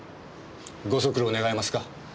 ご足労願えますか。